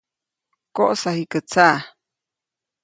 ‒¡Koʼsa jikä tsaʼ!‒.